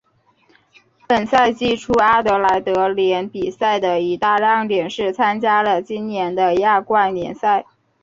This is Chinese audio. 本赛季初阿德莱德联比赛的一大亮点是参加了今年的亚冠联赛。